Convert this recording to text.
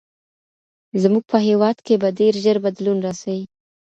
زموږ په هېواد کې به ډېر ژر بدلون راسي.